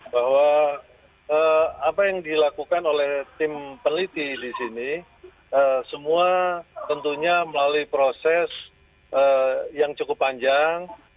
bahwa apa yang dilakukan oleh tim peneliti di sini semua tentunya melalui proses yang cukup panjang